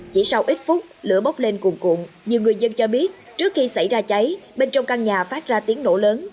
chỉ sau ít phút lửa bốc lên cuồng cuộn nhiều người dân cho biết trước khi xảy ra cháy bên trong căn nhà phát ra tiếng nổ lớn